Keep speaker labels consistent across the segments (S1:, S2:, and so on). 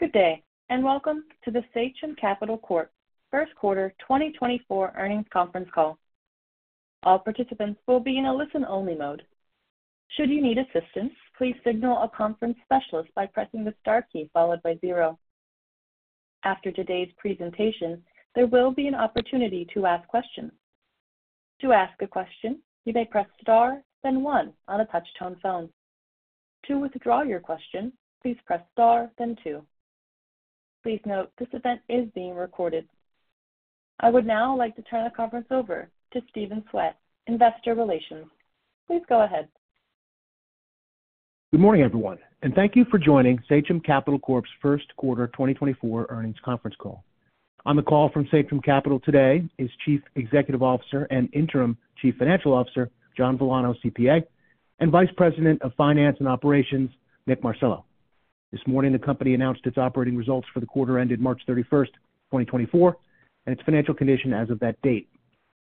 S1: Good day and welcome to the Sachem Capital Corp. first quarter 2024 earnings conference call. All participants will be in a listen-only mode. Should you need assistance, please signal a conference specialist by pressing the star key followed by zero. After today's presentation, there will be an opportunity to ask questions. To ask a question, you may press star, then one on a touch-tone phone. To withdraw your question, please press star, then two. Please note, this event is being recorded. I would now like to turn the conference over to Stephen Swett, Investor Relations. Please go ahead.
S2: Good morning, everyone, and thank you for joining Sachem Capital Corp.'s first quarter 2024 earnings conference call. On the call from Sachem Capital today is Chief Executive Officer and Interim Chief Financial Officer John Villano, CPA, and Vice President of Finance and Operations Nick Marcello. This morning, the company announced its operating results for the quarter ended March 31st, 2024, and its financial condition as of that date.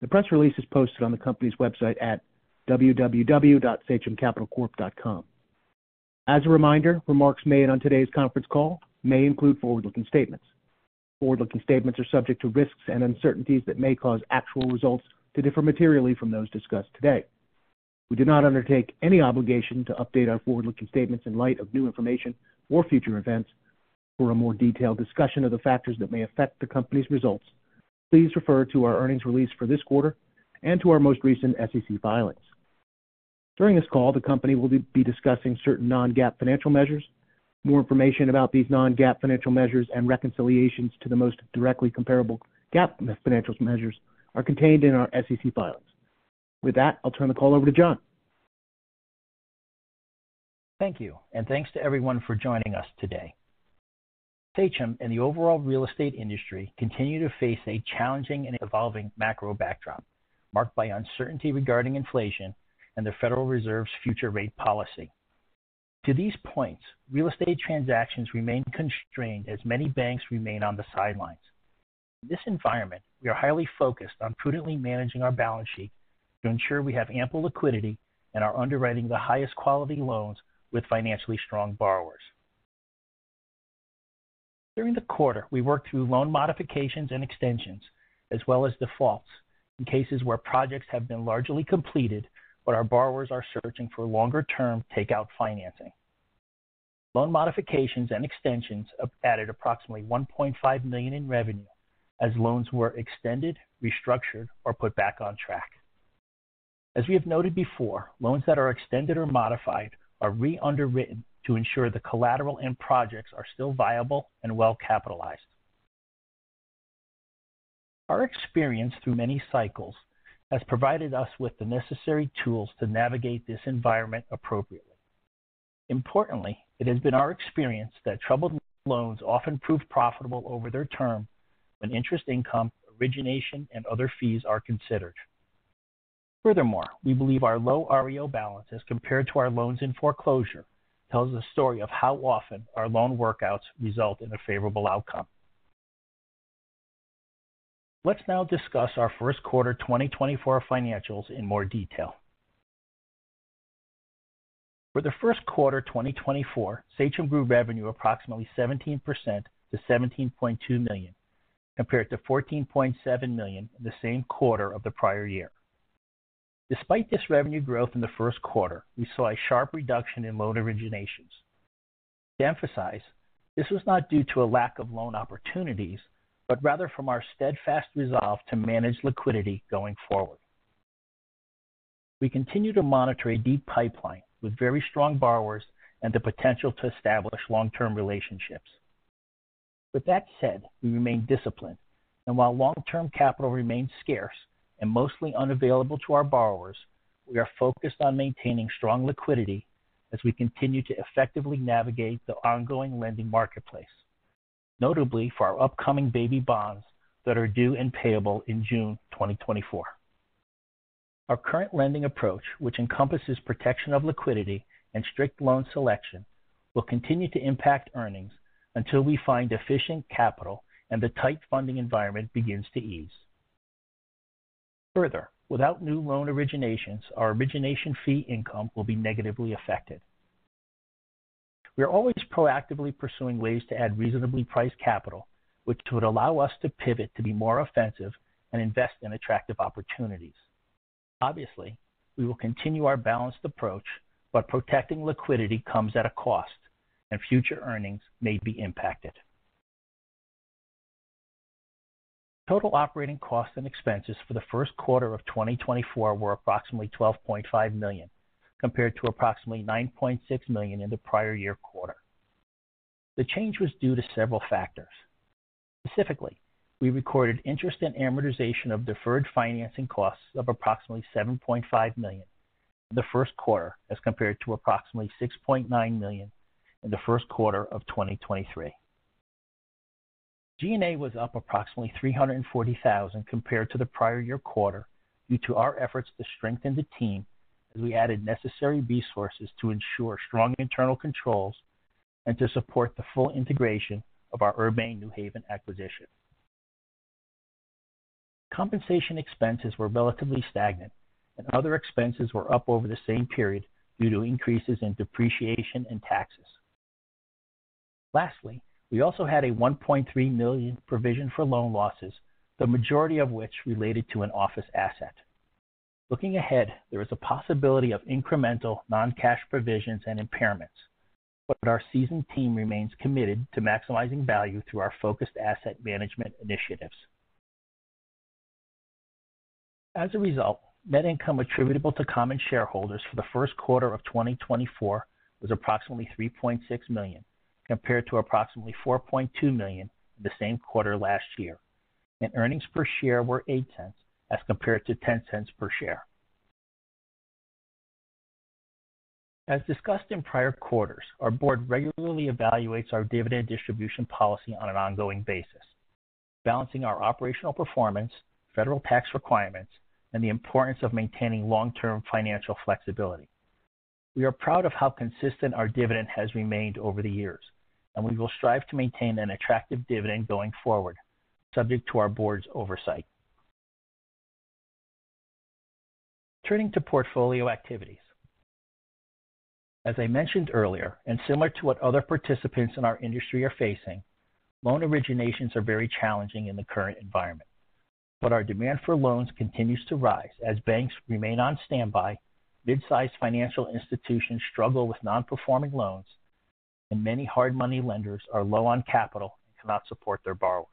S2: The press release is posted on the company's website at www.sachemcapitalcorp.com. As a reminder, remarks made on today's conference call may include forward-looking statements. Forward-looking statements are subject to risks and uncertainties that may cause actual results to differ materially from those discussed today. We do not undertake any obligation to update our forward-looking statements in light of new information or future events. For a more detailed discussion of the factors that may affect the company's results, please refer to our earnings release for this quarter and to our most recent SEC filings. During this call, the company will be discussing certain non-GAAP financial measures. More information about these non-GAAP financial measures and reconciliations to the most directly comparable GAAP financial measures are contained in our SEC filings. With that, I'll turn the call over to John.
S3: Thank you, and thanks to everyone for joining us today. Sachem and the overall real estate industry continue to face a challenging and evolving macro backdrop marked by uncertainty regarding inflation and the Federal Reserve's future rate policy. To these points, real estate transactions remain constrained as many banks remain on the sidelines. In this environment, we are highly focused on prudently managing our balance sheet to ensure we have ample liquidity and are underwriting the highest quality loans with financially strong borrowers. During the quarter, we worked through loan modifications and extensions as well as defaults in cases where projects have been largely completed but our borrowers are searching for longer-term takeout financing. Loan modifications and extensions added approximately $1.5 million in revenue as loans were extended, restructured, or put back on track. As we have noted before, loans that are extended or modified are re-underwritten to ensure the collateral and projects are still viable and well capitalized. Our experience through many cycles has provided us with the necessary tools to navigate this environment appropriately. Importantly, it has been our experience that troubled loans often prove profitable over their term when interest income, origination, and other fees are considered. Furthermore, we believe our low REO balance as compared to our loans in foreclosure tells the story of how often our loan workouts result in a favorable outcome. Let's now discuss our first quarter 2024 financials in more detail. For the first quarter 2024, Sachem grew revenue approximately 17% to $17.2 million compared to $14.7 million in the same quarter of the prior year. Despite this revenue growth in the first quarter, we saw a sharp reduction in loan originations. To emphasize, this was not due to a lack of loan opportunities but rather from our steadfast resolve to manage liquidity going forward. We continue to monitor a deep pipeline with very strong borrowers and the potential to establish long-term relationships. With that said, we remain disciplined, and while long-term capital remains scarce and mostly unavailable to our borrowers, we are focused on maintaining strong liquidity as we continue to effectively navigate the ongoing lending marketplace, notably for our upcoming baby bonds that are due and payable in June 2024. Our current lending approach, which encompasses protection of liquidity and strict loan selection, will continue to impact earnings until we find efficient capital and the tight funding environment begins to ease. Further, without new loan originations, our origination fee income will be negatively affected. We are always proactively pursuing ways to add reasonably priced capital, which would allow us to pivot to be more offensive and invest in attractive opportunities. Obviously, we will continue our balanced approach, but protecting liquidity comes at a cost, and future earnings may be impacted. Total operating costs and expenses for the first quarter of 2024 were approximately $12.5 million compared to approximately $9.6 million in the prior year quarter. The change was due to several factors. Specifically, we recorded interest and amortization of deferred financing costs of approximately $7.5 million in the first quarter as compared to approximately $6.9 million in the first quarter of 2023. G&A was up approximately $340,000 compared to the prior year quarter due to our efforts to strengthen the team as we added necessary resources to ensure strong internal controls and to support the full integration of our Urbane New Haven acquisition. Compensation expenses were relatively stagnant, and other expenses were up over the same period due to increases in depreciation and taxes. Lastly, we also had a $1.3 million provision for loan losses, the majority of which related to an office asset. Looking ahead, there is a possibility of incremental non-cash provisions and impairments, but our seasoned team remains committed to maximizing value through our focused asset management initiatives. As a result, net income attributable to common shareholders for the first quarter of 2024 was approximately $3.6 million compared to approximately $4.2 million in the same quarter last year, and earnings per share were $0.08 as compared to $0.10 per share. As discussed in prior quarters, our board regularly evaluates our dividend distribution policy on an ongoing basis, balancing our operational performance, federal tax requirements, and the importance of maintaining long-term financial flexibility. We are proud of how consistent our dividend has remained over the years, and we will strive to maintain an attractive dividend going forward, subject to our board's oversight. Turning to portfolio activities. As I mentioned earlier, and similar to what other participants in our industry are facing, loan originations are very challenging in the current environment. But our demand for loans continues to rise as banks remain on standby, midsize financial institutions struggle with non-performing loans, and many hard-money lenders are low on capital and cannot support their borrowers.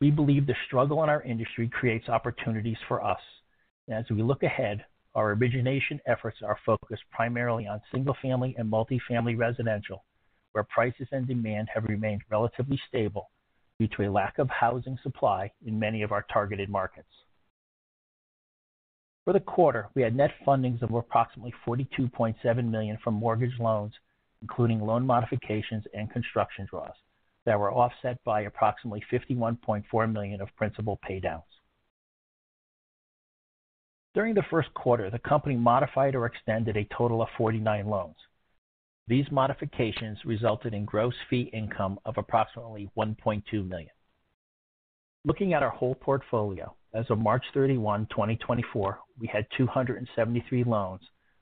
S3: We believe the struggle in our industry creates opportunities for us, and as we look ahead, our origination efforts are focused primarily on single-family and multifamily residential, where prices and demand have remained relatively stable due to a lack of housing supply in many of our targeted markets. For the quarter, we had net fundings of approximately $42.7 million from mortgage loans, including loan modifications and construction draws, that were offset by approximately $51.4 million of principal paydowns. During the first quarter, the company modified or extended a total of 49 loans. These modifications resulted in gross fee income of approximately $1.2 million. Looking at our whole portfolio, as of March 31, 2024, we had 273 loans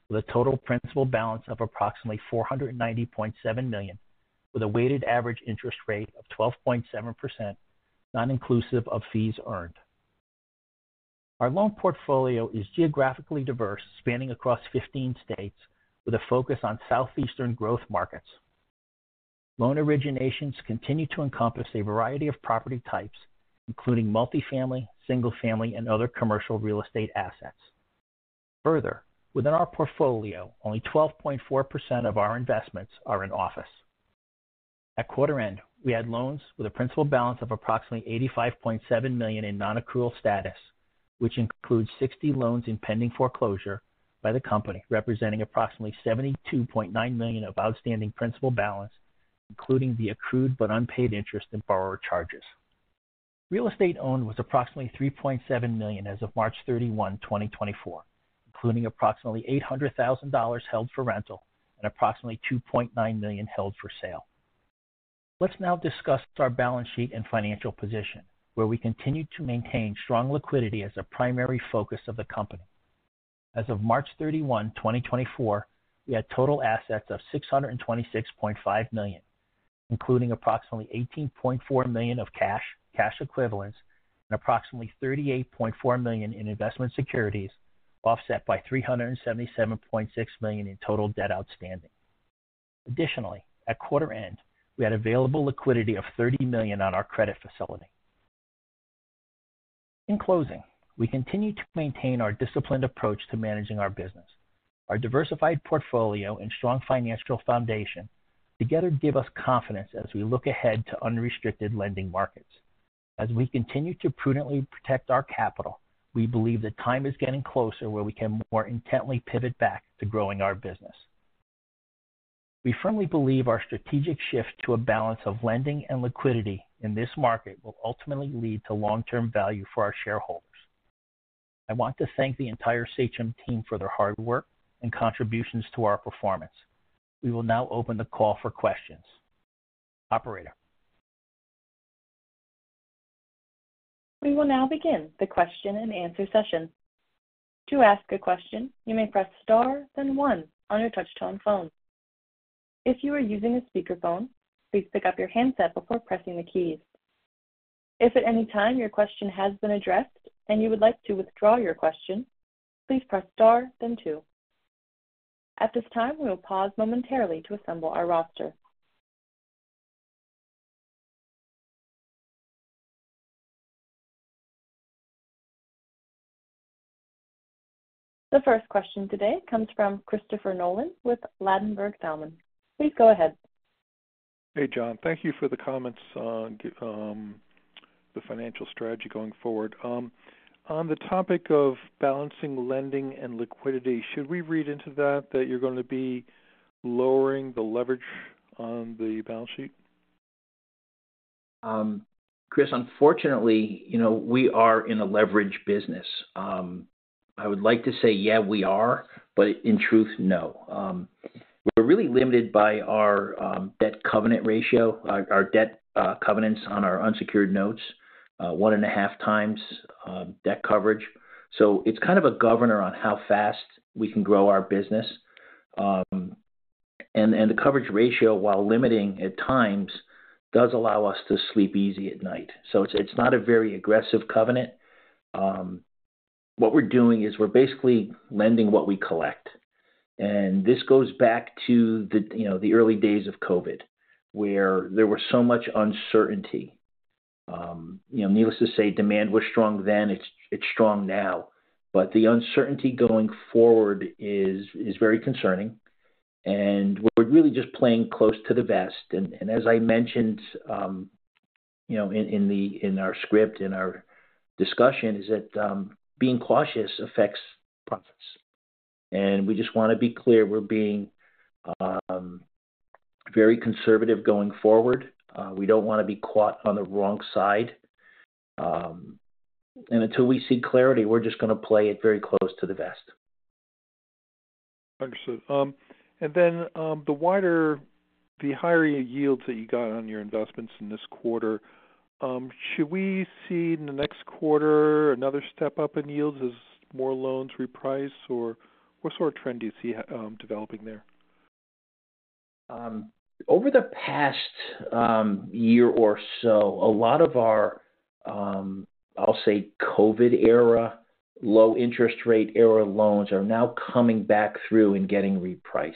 S3: with a total principal balance of approximately $490.7 million, with a weighted average interest rate of 12.7%, non-inclusive of fees earned. Our loan portfolio is geographically diverse, spanning across 15 states with a focus on southeastern growth markets. Loan originations continue to encompass a variety of property types, including multifamily, single-family, and other commercial real estate assets. Further, within our portfolio, only 12.4% of our investments are in office. At quarter end, we had loans with a principal balance of approximately $85.7 million in non-accrual status, which includes 60 loans in pending foreclosure by the company, representing approximately $72.9 million of outstanding principal balance, including the accrued but unpaid interest and borrower charges. Real estate owned was approximately $3.7 million as of March 31, 2024, including approximately $800,000 held for rental and approximately $2.9 million held for sale. Let's now discuss our balance sheet and financial position, where we continue to maintain strong liquidity as a primary focus of the company. As of March 31, 2024, we had total assets of $626.5 million, including approximately $18.4 million of cash, cash equivalents, and approximately $38.4 million in investment securities, offset by $377.6 million in total debt outstanding. Additionally, at quarter end, we had available liquidity of $30 million on our credit facility. In closing, we continue to maintain our disciplined approach to managing our business. Our diversified portfolio and strong financial foundation together give us confidence as we look ahead to unrestricted lending markets. As we continue to prudently protect our capital, we believe that time is getting closer where we can more intently pivot back to growing our business. We firmly believe our strategic shift to a balance of lending and liquidity in this market will ultimately lead to long-term value for our shareholders. I want to thank the entire Sachem team for their hard work and contributions to our performance. We will now open the call for questions. Operator.
S1: We will now begin the question and answer session. To ask a question, you may press star, then one, on your touch-tone phone. If you are using a speakerphone, please pick up your handset before pressing the keys. If at any time your question has been addressed and you would like to withdraw your question, please press star, then two. At this time, we will pause momentarily to assemble our roster. The first question today comes from Christopher Nolan with Ladenburg Thalmann. Please go ahead.
S4: Hey, John. Thank you for the comments on the financial strategy going forward. On the topic of balancing lending and liquidity, should we read into that that you're going to be lowering the leverage on the balance sheet?
S3: Chris, unfortunately, we are in a leverage business. I would like to say, "Yeah, we are," but in truth, no. We're really limited by our debt covenant ratio, our debt covenants on our unsecured notes, 1.5x debt coverage. So it's kind of a governor on how fast we can grow our business. And the coverage ratio, while limiting at times, does allow us to sleep easy at night. So it's not a very aggressive covenant. What we're doing is we're basically lending what we collect. And this goes back to the early days of COVID, where there was so much uncertainty. Needless to say, demand was strong then. It's strong now. But the uncertainty going forward is very concerning. And we're really just playing close to the vest. And as I mentioned in our script, in our discussion, is that being cautious affects profits. And we just want to be clear we're being very conservative going forward. We don't want to be caught on the wrong side. And until we see clarity, we're just going to play it very close to the vest.
S4: Understood. And then the higher yields that you got on your investments in this quarter, should we see in the next quarter another step up in yields as more loans reprice, or what sort of trend do you see developing there?
S3: Over the past year or so, a lot of our, I'll say, COVID-era low-interest-rate-era loans are now coming back through and getting repriced.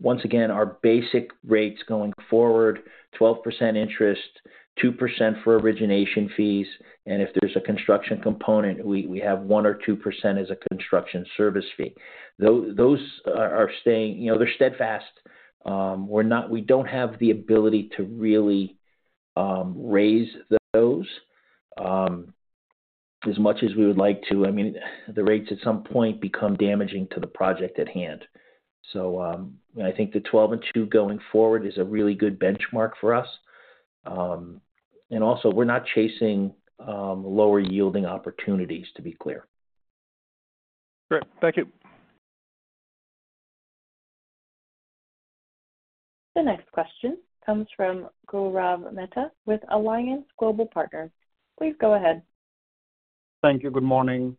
S3: Once again, our basic rates going forward: 12% interest, 2% for origination fees, and if there's a construction component, we have 1% or 2% as a construction service fee. Those are staying. They're steadfast. We don't have the ability to really raise those as much as we would like to. I mean, the rates at some point become damaging to the project at hand. So I think the 12% and 2% going forward is a really good benchmark for us. And also, we're not chasing lower-yielding opportunities, to be clear.
S4: Great. Thank you.
S1: The next question comes from Gaurav Mehta with Alliance Global Partners. Please go ahead.
S5: Thank you. Good morning.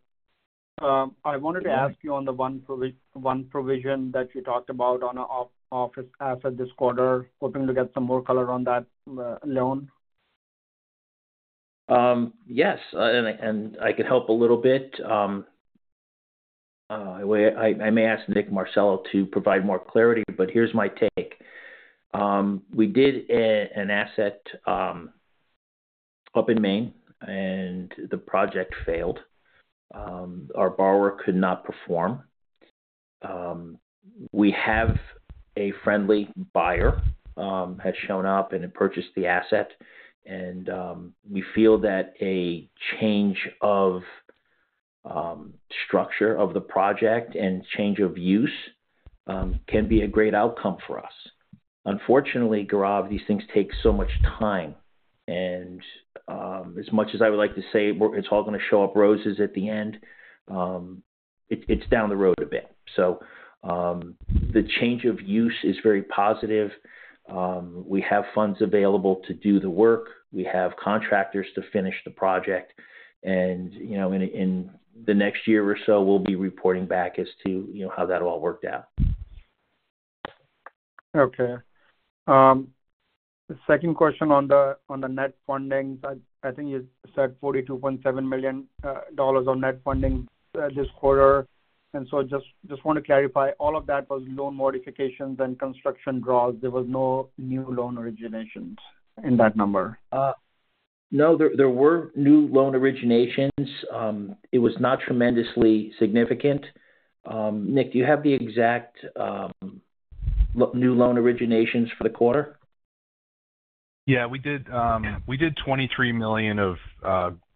S5: I wanted to ask you on the one provision that you talked about on an office asset this quarter, hoping to get some more color on that loan?
S3: Yes, and I can help a little bit. I may ask Nick Marcello to provide more clarity, but here's my take. We did an asset up in Maine, and the project failed. Our borrower could not perform. We have a friendly buyer has shown up and purchased the asset, and we feel that a change of structure of the project and change of use can be a great outcome for us. Unfortunately, Gaurav, these things take so much time. And as much as I would like to say it's all going to show up roses at the end, it's down the road a bit. So the change of use is very positive. We have funds available to do the work. We have contractors to finish the project. And in the next year or so, we'll be reporting back as to how that all worked out.
S5: Okay. The second question on the net fundings, I think you said $42.7 million of net funding this quarter. Just want to clarify, all of that was loan modifications and construction draws. There was no new loan originations in that number?
S3: No, there were new loan originations. It was not tremendously significant. Nick, do you have the exact new loan originations for the quarter?
S6: Yeah, we did $23 million of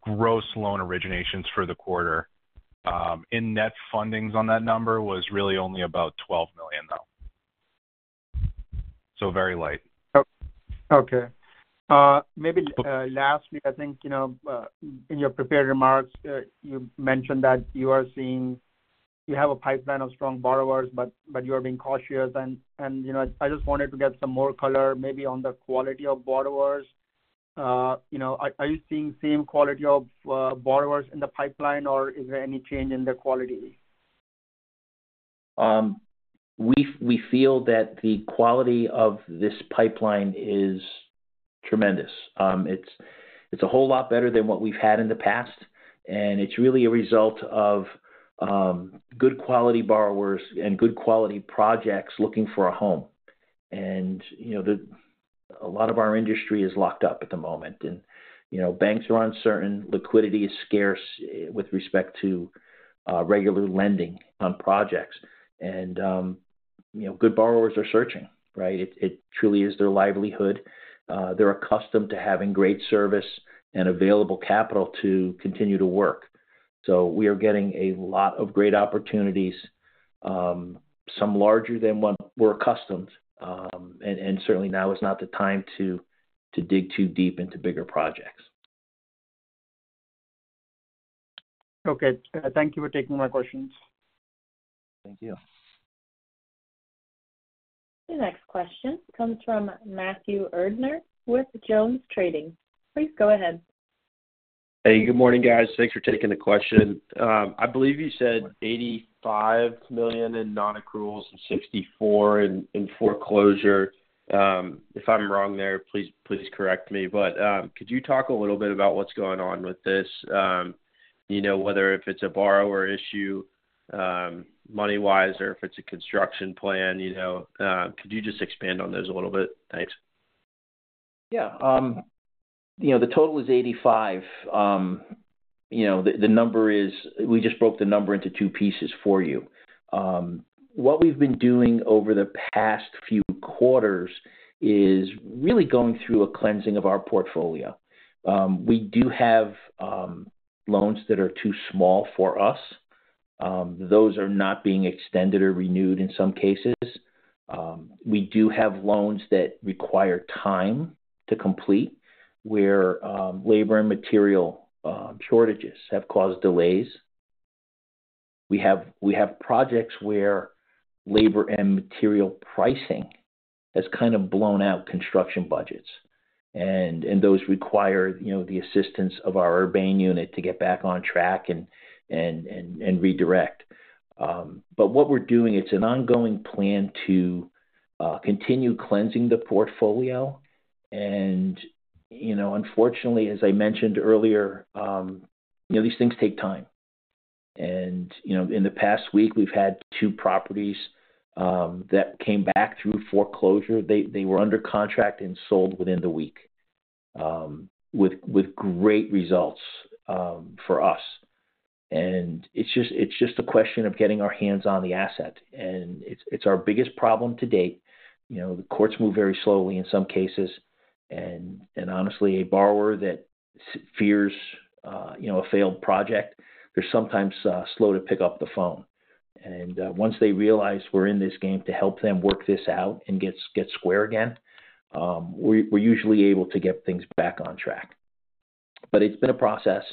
S6: gross loan originations for the quarter. Net fundings on that number was really only about $12 million, though, so very light.
S5: Okay. Maybe lastly, I think in your prepared remarks, you mentioned that you are seeing you have a pipeline of strong borrowers, but you are being cautious. I just wanted to get some more color maybe on the quality of borrowers. Are you seeing same quality of borrowers in the pipeline, or is there any change in the quality?
S3: We feel that the quality of this pipeline is tremendous. It's a whole lot better than what we've had in the past, and it's really a result of good-quality borrowers and good-quality projects looking for a home. A lot of our industry is locked up at the moment, and banks are uncertain. Liquidity is scarce with respect to regular lending on projects. Good borrowers are searching, right? It truly is their livelihood. They're accustomed to having great service and available capital to continue to work. We are getting a lot of great opportunities, some larger than what we're accustomed to. Certainly, now is not the time to dig too deep into bigger projects.
S5: Okay. Thank you for taking my questions.
S3: Thank you.
S1: The next question comes from Matthew Erdner with JonesTrading. Please go ahead.
S7: Hey, good morning, guys. Thanks for taking the question. I believe you said $85 million in non-accruals and $64 million in foreclosure. If I'm wrong there, please correct me. But could you talk a little bit about what's going on with this, whether if it's a borrower issue money-wise or if it's a construction plan? Could you just expand on those a little bit? Thanks.
S3: Yeah. The total is 85. The number is we just broke the number into two pieces for you. What we've been doing over the past few quarters is really going through a cleansing of our portfolio. We do have loans that are too small for us. Those are not being extended or renewed in some cases. We do have loans that require time to complete where labor and material shortages have caused delays. We have projects where labor and material pricing has kind of blown out construction budgets, and those require the assistance of our Urbane unit to get back on track and redirect. But what we're doing, it's an ongoing plan to continue cleansing the portfolio. And unfortunately, as I mentioned earlier, these things take time. And in the past week, we've had two properties that came back through foreclosure. They were under contract and sold within the week with great results for us. It's just a question of getting our hands on the asset. It's our biggest problem to date. The courts move very slowly in some cases. Honestly, a borrower that fears a failed project, they're sometimes slow to pick up the phone. Once they realize we're in this game to help them work this out and get square again, we're usually able to get things back on track. But it's been a process,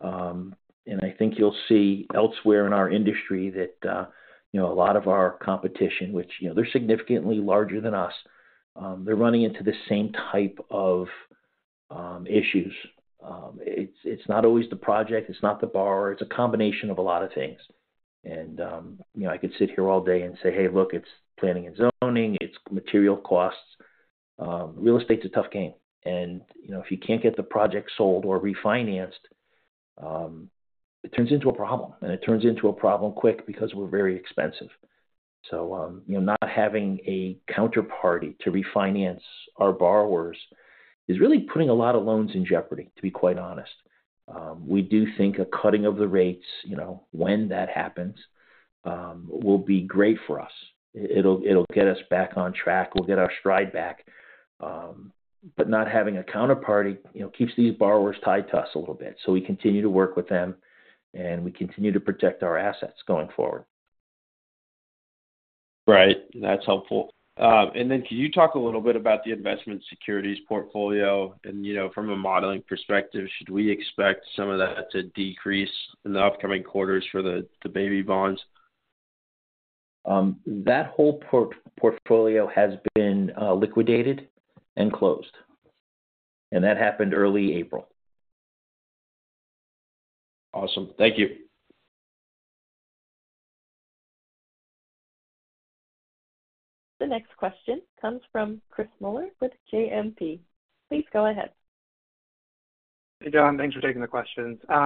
S3: and I think you'll see elsewhere in our industry that a lot of our competition, which they're significantly larger than us, they're running into the same type of issues. It's not always the project. It's not the borrower. It's a combination of a lot of things. I could sit here all day and say, "Hey, look, it's planning and zoning. It's material costs." Real estate's a tough game. If you can't get the project sold or refinanced, it turns into a problem, and it turns into a problem quick because we're very expensive. Not having a counterparty to refinance our borrowers is really putting a lot of loans in jeopardy, to be quite honest. We do think a cutting of the rates, when that happens, will be great for us. It'll get us back on track. We'll get our stride back. But not having a counterparty keeps these borrowers tied to us a little bit. We continue to work with them, and we continue to protect our assets going forward.
S7: Right. That's helpful. Then could you talk a little bit about the investment securities portfolio? From a modeling perspective, should we expect some of that to decrease in the upcoming quarters for the baby bonds?
S3: That whole portfolio has been liquidated and closed, and that happened early April.
S7: Awesome. Thank you.
S1: The next question comes from Chris Muller with JMP. Please go ahead.
S8: Hey, John. Thanks for taking the questions. So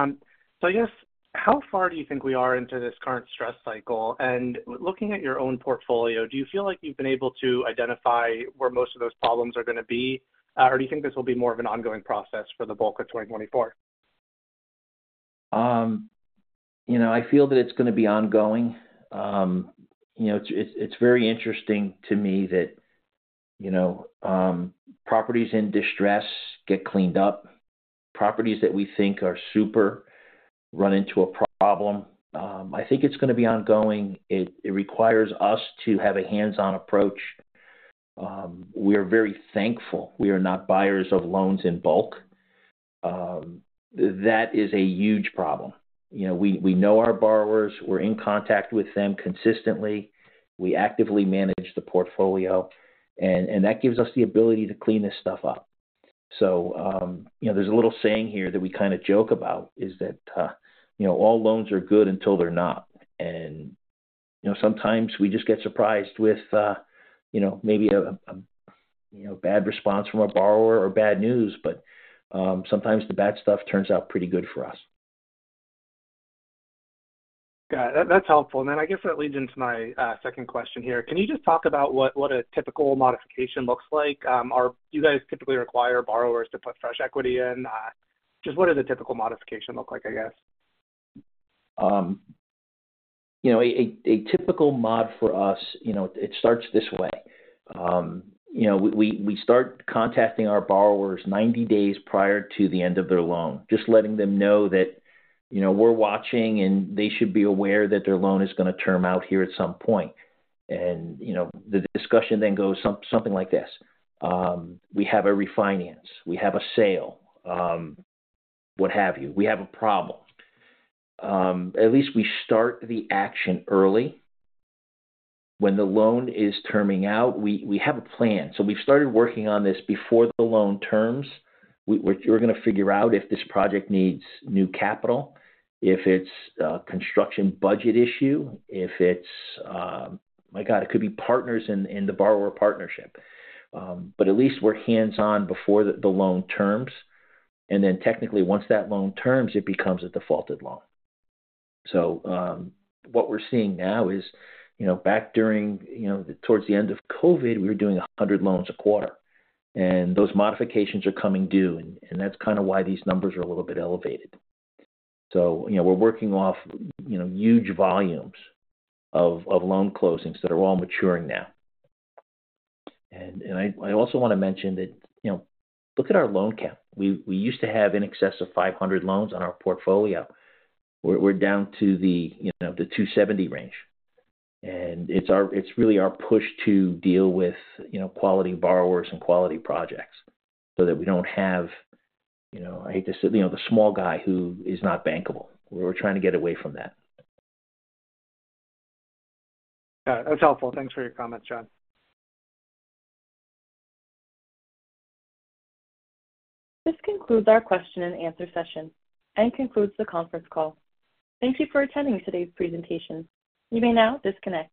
S8: I guess, how far do you think we are into this current stress cycle? And looking at your own portfolio, do you feel like you've been able to identify where most of those problems are going to be, or do you think this will be more of an ongoing process for the bulk of 2024?
S3: I feel that it's going to be ongoing. It's very interesting to me that properties in distress get cleaned up, properties that we think are super run into a problem. I think it's going to be ongoing. It requires us to have a hands-on approach. We are very thankful. We are not buyers of loans in bulk. That is a huge problem. We know our borrowers. We're in contact with them consistently. We actively manage the portfolio, and that gives us the ability to clean this stuff up. So there's a little saying here that we kind of joke about is that all loans are good until they're not. And sometimes we just get surprised with maybe a bad response from a borrower or bad news, but sometimes the bad stuff turns out pretty good for us.
S8: Got it. That's helpful. And then I guess that leads into my second question here. Can you just talk about what a typical modification looks like? Do you guys typically require borrowers to put fresh equity in? Just what does a typical modification look like, I guess?
S3: A typical mod for us, it starts this way. We start contacting our borrowers 90 days prior to the end of their loan, just letting them know that we're watching, and they should be aware that their loan is going to term out here at some point. The discussion then goes something like this: "We have a refinance. We have a sale," what have you. "We have a problem." At least we start the action early. When the loan is terming out, we have a plan. So we've started working on this before the loan terms. We're going to figure out if this project needs new capital, if it's a construction budget issue, if it's my God, it could be partners in the borrower partnership. But at least we're hands-on before the loan terms. And then technically, once that loan terms, it becomes a defaulted loan. So what we're seeing now is back during towards the end of COVID, we were doing 100 loans a quarter, and those modifications are coming due, and that's kind of why these numbers are a little bit elevated. So we're working off huge volumes of loan closings that are all maturing now. And I also want to mention that look at our loan cap. We used to have in excess of 500 loans on our portfolio. We're down to the 270 range. And it's really our push to deal with quality borrowers and quality projects so that we don't have I hate to say the small guy who is not bankable. We're trying to get away from that.
S8: That's helpful. Thanks for your comments, John.
S1: This concludes our question and answer session and concludes the conference call. Thank you for attending today's presentation. You may now disconnect.